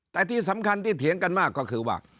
แต่ที่สำคัญที่เถียงกันมากก็คือว่า